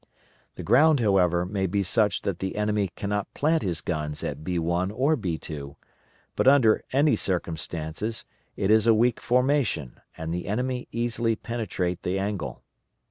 The ground, however, may be such that the enemy cannot plant his guns at b1 or b2; but under any circumstances it is a weak formation and the enemy easily penetrate the angle.